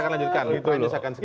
saya tidak sarah